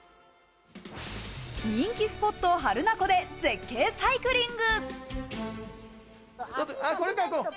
人気スポット・榛名湖で絶景サイクリング。